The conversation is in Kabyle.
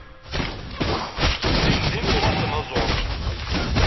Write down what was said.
Dindin tuɣal d tanaẓurt.